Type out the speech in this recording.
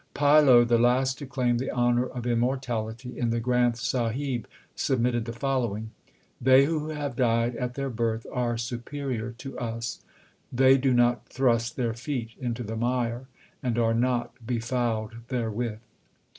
Pilo, the last to claim the honour of immortality in the Granth Sahib, submitted the following : They who have died at their birth are superior to us ; They do not thrust their feet into the mire, and are not befouled therewith.